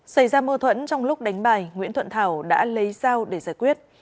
xảy ra mâu thuẫn trong lúc đánh bài nguyễn thuận thảo đã lấy dao để giải quyết